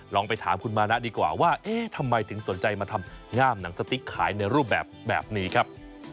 ไปถามคุณมานะดีกว่าว่าเอ๊ะทำไมถึงสนใจมาทำง่ามหนังสติ๊กขายในรูปแบบนี้ครับ